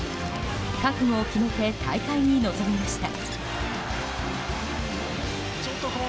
覚悟を決めて大会に臨みました。